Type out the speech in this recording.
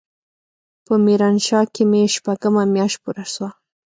په ميرانشاه کښې مې شپږمه مياشت پوره سوه.